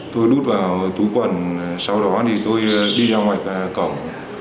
tôi đút vào chú quần sau đó thì tôi đi ra ngoài cổng